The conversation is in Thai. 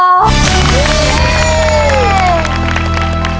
เย้